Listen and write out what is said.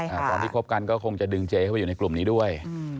ตอนที่คบกันก็คงจะดึงเจเข้าไปอยู่ในกลุ่มนี้ด้วยอืม